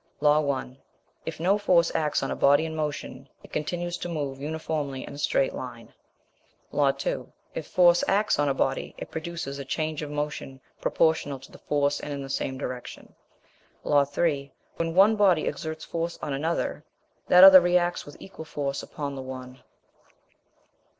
Law 1. If no force acts on a body in motion, it continues to move uniformly in a straight line. Law 2. If force acts on a body, it produces a change of motion proportional to the force and in the same direction. Law 3. When one body exerts force on another, that other reacts with equal force upon the one.